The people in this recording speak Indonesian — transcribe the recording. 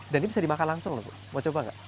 dan ini bisa dimakan langsung lho ibu mau coba nggak